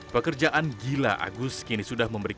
tentunya attn larry belum capai untuk dir overarching